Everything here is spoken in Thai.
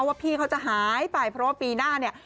ว่าพี่เขาจะหายไปเพราะว่าปีหน้าเนี่ย